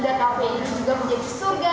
sebagai minuman yang kekinian